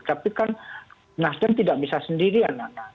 tapi kan nasdem tidak bisa sendirian nana